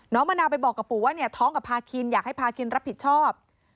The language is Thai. มะนาวไปบอกกับปู่ว่าเนี่ยท้องกับพาคินอยากให้พาคินรับผิดชอบ